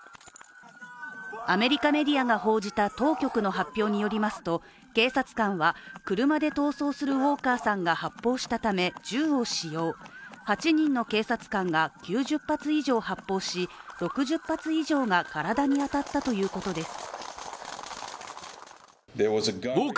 アメリカメディアが報じた当局の発表によりますと、警察官は車で逃走するウォーカーさんが発砲したため銃を使用８人の警察官が９０発以上発砲し６０発以上が体に当たったということです。